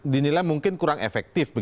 dinilai mungkin kurang efektif